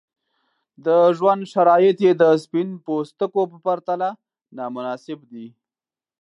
د ژوند شرایط یې د سپین پوستکو په پرتله نامناسب دي.